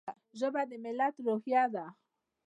ژبه د ملت روحیه ده.